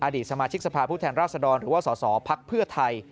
อดีตสมาชิกสภาพฤทธิ์ราษฎรหรือว่าสศพรรคเพื่อไทย